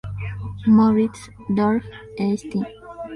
Moritz-Dorf, St.